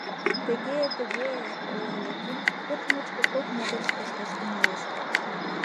— Тыге, тыге-э, — ойла Яким, пӧрт мучко кок могырыш кошташ тӱҥалеш.